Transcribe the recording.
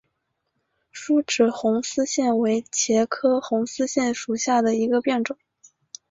疏齿红丝线为茄科红丝线属下的一个变种。